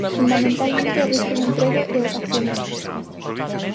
Fundamentalmente o risco do emprego e os accionistas.